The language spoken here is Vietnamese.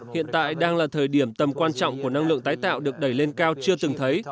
hiện tại đang là thời điểm tầm quan trọng của năng lượng tái tạo được đẩy lên cao chưa từng thấy